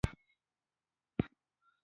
دښمن په توره ورځ خوشاله وي